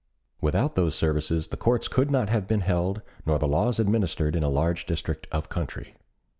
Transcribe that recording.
Without those services the courts could not have been held nor the laws administered in a large district of country.